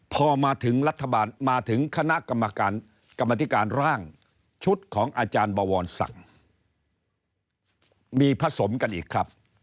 พอมาถึงรัฐบาลมาถึงคณะกรรมการกรรมธิการร่างชุดของอาจารย์บวรศักดิ์มีผสมกันอีกครับ